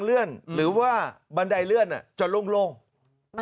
เลื่อนหรือว่าบรรดัยเลื่อนอ่ะจะลงมันจะ